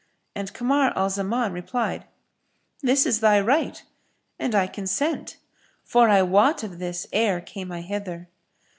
And Kamar al Zaman replied, "This is thy right; and I consent, for I wot of this ere came I hither."